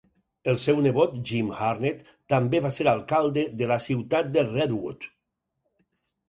El seu nebot Jim Harnett també va ser alcalde de la ciutat de Redwood.